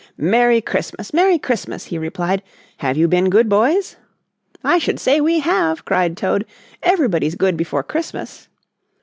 "Merry Christmas, Merry Christmas!" he replied. "Have you been good boys?" "I should say we have," cried Toad. "Everybody's good before Christmas."